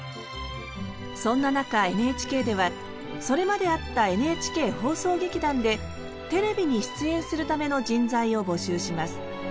そんな中ＮＨＫではそれまであったＮＨＫ放送劇団でテレビに出演するための人材を募集します。